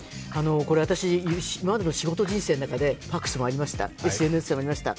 私、今までの仕事人生でファクスもありました、ＳＮＳもありました、